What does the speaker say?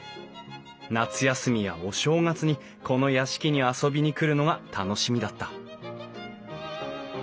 夏休みやお正月にこの屋敷に遊びに来るのが楽しみだった。